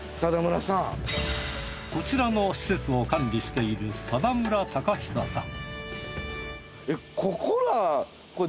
こちらの施設を管理している定村隆久さん